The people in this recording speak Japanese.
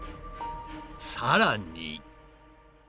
さらに。